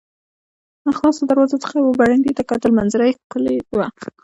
له خلاصو دروازو څخه مې وه برنډې ته کتل، منظره یې ښکلې وه.